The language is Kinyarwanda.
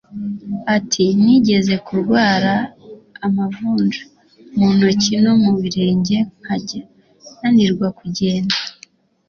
Ati “Nigeze kurwara amavunja mu ntoki no mu birenge nkajya nanirwa kugenda